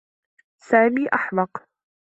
سامي أحمق.